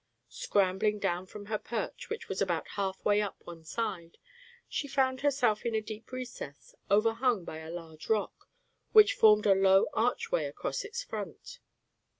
Scrambling down from her perch, which was about half way up one side, she found herself in a deep recess, overhung by a large rock, which formed a low archway across its front.